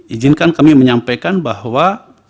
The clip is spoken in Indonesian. izinkan kami menyampaikan bahwa